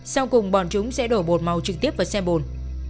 sau cùng bọn chúng sẽ đổ bột màu trực tiếp vào xe bồn